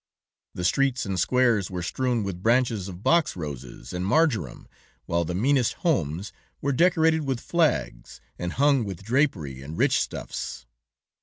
The streets and squares were strewn with branches of box roses and marjoram, while the meanest homes were decorated with flags, and hung with drapery and rich stuffs.